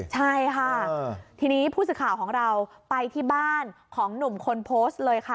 ใช่ค่ะทีนี้ผู้สื่อข่าวของเราไปที่บ้านของหนุ่มคนโพสต์เลยค่ะ